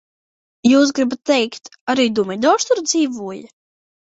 Jūs gribat teikt, arī Dumidors tur dzīvoja?